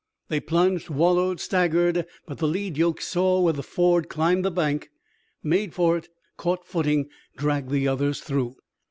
They plunged, wallowed, staggered; but the lead yokes saw where the ford climbed the bank, made for it, caught footing, dragged the others through!